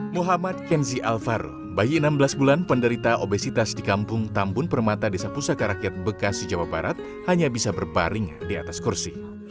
muhammad kenzi alvaro bayi enam belas bulan penderita obesitas di kampung tambun permata desa pusaka rakyat bekasi jawa barat hanya bisa berbaring di atas kursi